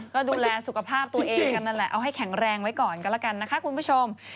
ก็ดูแลสุขภาพตัวเองกันนั่นแหละเอาให้แข็งแรงไว้ก่อนก็แล้วกันนะคะคุณผู้ชม